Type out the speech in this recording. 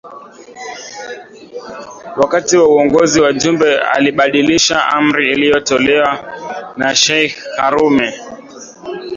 Wakati wa uongozi wa Jumbe alibadilisha amri iliyotolewa na sheikh karume